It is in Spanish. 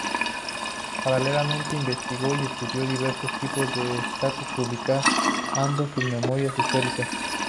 Paralelamente, investigó y estudió diversos tipos de estatuas publicando sus memorias históricas.